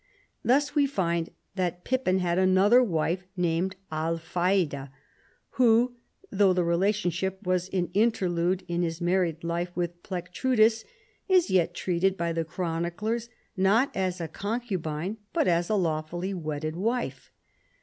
Thus we find that Pippin had another wife named Alphaida, who, though the relationship was an inter lude in his married life with Plectrudis, is yet treated by the chroniclers not as a concubine, but as a lawfully wedded wife.